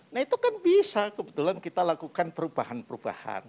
nah itu kan bisa kebetulan kita lakukan perubahan perubahan